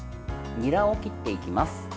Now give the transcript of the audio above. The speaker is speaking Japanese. にらを切っていきます。